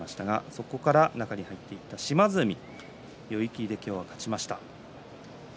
そこから中に入っていった島津海寄り切りで今日は勝ちました。